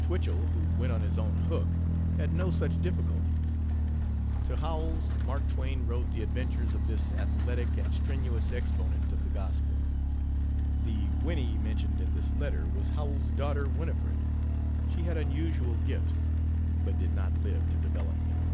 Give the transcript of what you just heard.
Twichell, who went on his own hook, had no such difficulties. To Howells, Mark Twain wrote the adventures of this athletic and strenuous exponent of the gospel. The "Winnie" mentioned in this letter was Howells's daughter Winifred. She had unusual gifts, but did not live to develop them.